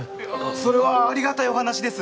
それはありがたいお話です。